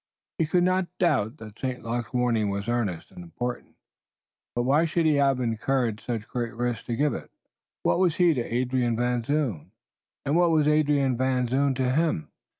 He could not doubt that St. Luc's warning was earnest and important, but why should he have incurred such great risks to give it? What was he to Adrian Van Zoon? and what was Adrian Van Zoon to him?